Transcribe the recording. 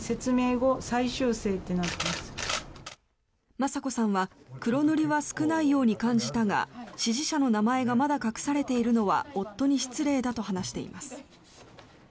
雅子さんは黒塗りは少ないように感じたが指示者の名前がまだ隠されているのは夫に失礼だと話しています。